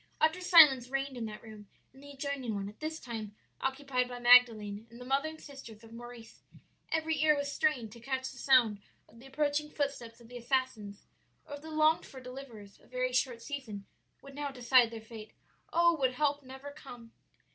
"Utter silence reigned in that room and the adjoining one, at this time occupied by Magdalen and the mother and sisters of Maurice; every ear was strained to catch the sound of the approaching footsteps of the assassins, or of the longed for deliverers; a very short season would now decide their fate. Oh, would help never come!